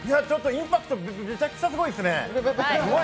インパクト、めちゃくちゃすごいですね。